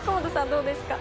どうですか？